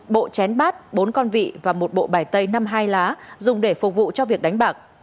một bộ chén bát bốn con vị và một bộ bài tây năm hai lá dùng để phục vụ cho việc đánh bạc